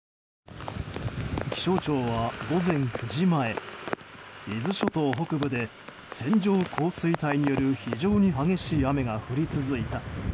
気象庁は午前９時前伊豆諸島北部で線状降水帯による非常に激しい雨が降り続いた。